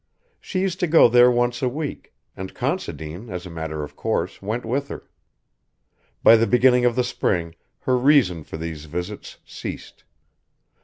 She used to go there once a week, and Considine, as a matter of course, went with her. By the beginning of the spring her reason for these visits ceased.